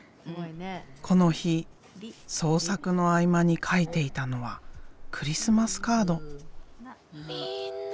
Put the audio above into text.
この日創作の合間に書いていたのはクリスマスカード。